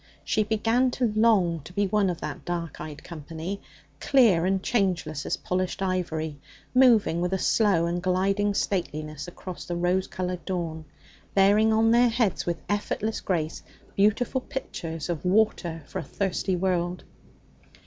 She began to long to be one of that dark eyed company, clear and changeless as polished ivory, moving with a slow and gliding stateliness across the rose coloured dawn, bearing on their heads with effortless grace beautiful pitchers of water for a thirsty world.